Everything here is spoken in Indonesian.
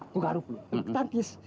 gua garuk lu takis